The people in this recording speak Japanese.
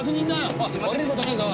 おい降りることねえぞ。